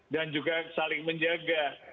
dan juga saling menjaga